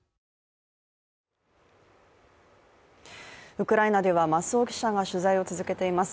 ウクライナでは増尾記者が取材を続けています。